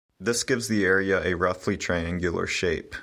This gives the area a roughly triangular shape.